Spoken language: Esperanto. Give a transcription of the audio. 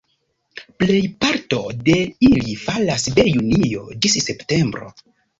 Plejparto de ili falas de junio ĝis septembro.